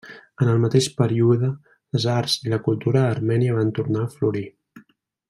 En el mateix període les arts i la cultura armènia van tornar a florir.